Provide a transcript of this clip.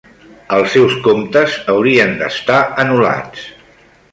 Els seus comptes haurien d'estar anul·lats.